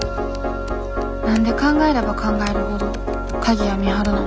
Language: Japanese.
何で考えれば考えるほど鍵谷美晴なの？